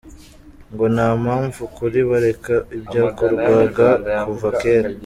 Ngo nta mpamvu kuri bareka ibyakorwaga kuva kera.